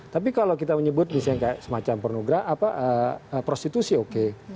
tapi kalau kita menyebut misalnya semacam prostitusi oke